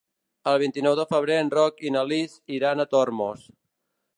El vint-i-nou de febrer en Roc i na Lis iran a Tormos.